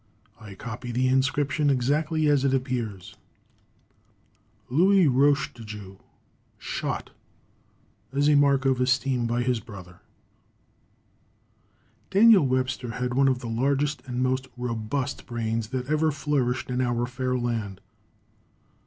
I copy the inscription exactly as it appears: [Illustration: LOUIS ROC DE DEAU SHOT AS A MARK OF ESTEEM BY HIS BROTHER] Daniel Webster had one of the largest and most robust brains that ever flourished in our fair land.